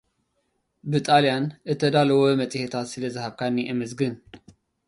ብጣልያን እተዳለወ መጽሔታት ስለዝሃብካኒ አመስግን!